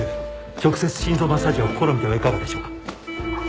直接心臓マッサージを試みてはいかがでしょうか？